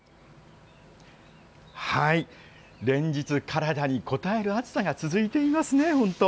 連日、体にこたえる暑さが続いていますね、本当。